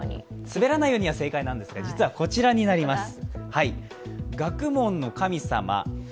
滑らないようには正解なんですが、実はこちらになります。